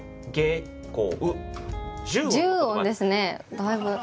だいぶ。